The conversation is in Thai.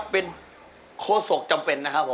เป็นโคศกจำเป็นนะครับผม